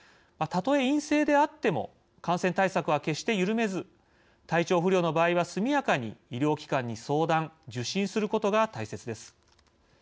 たとえ陰性であっても感染対策は決して緩めず体調不良の場合は速やかに医療機関に相談・受診することが大切です。